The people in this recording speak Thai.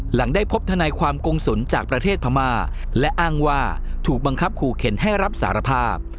หลังได้พบทนายความกงศุลจากประเทศพม่าและอ้างว่าถูกบังคับขู่เข็นให้รับสารภาพ